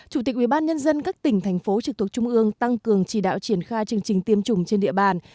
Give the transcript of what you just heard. chủ tịch ubnd các tỉnh thành phố trực thuộc trung ương tăng cường chỉ đạo triển khai chương trình tiêm chủng trên địa bàn